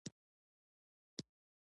پښتون، پښتنه، پښتانه، پښتونولي، پښتونولۍ